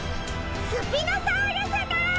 スピノサウルスだ！